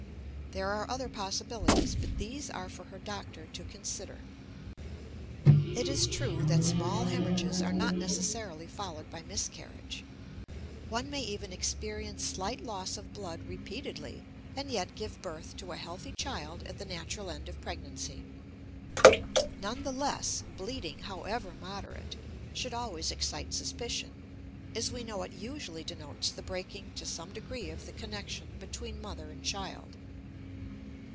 There are other possibilities, but these are for her doctor to consider. It is true that small hemorrhages are not necessarily followed by miscarriage. One may even experience slight loss of blood repeatedly, and yet give birth to a healthy child at the natural end of pregnancy. None the less, bleeding, however moderate, should always excite suspicion, as we know it usually denotes the breaking to some degree of the connection between mother and child.